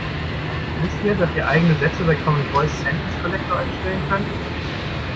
Wisst ihr, dass ihr eigene Sätze bei Common Voice Sentence Collector einstellen könnt?